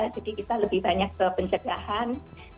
kita lebih banyak ke pencegahan